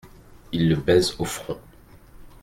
Il le baise au front.